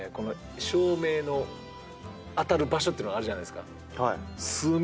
照明のあたる場所ってのがあるじゃないですか